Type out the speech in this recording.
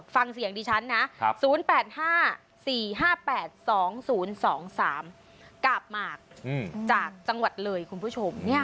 ฟังเสียงดิฉันนะ๐๘๕๔๕๘๒๐๒๓กาบหมากจากจังหวัดเลยคุณผู้ชม